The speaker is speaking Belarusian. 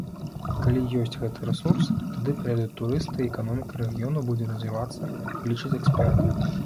Калі ёсць гэты рэсурс, тады прыедуць турысты, і эканоміка рэгіёну будзе развівацца, лічыць эксперт.